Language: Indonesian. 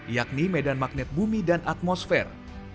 yakni medan magnet bumi dan atmosfer